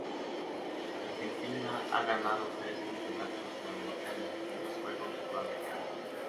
Argentina ha ganado tres Campeonatos Sudamericanos y dos Juegos Sudamericanos.